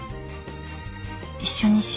一緒にしよう